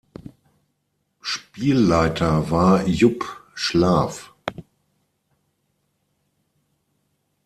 Spielleiter war Jupp Schlaf.